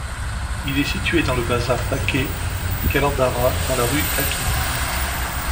Il est situé dans le Bazar Baq-e Qalandarha, dans la rue Hakim.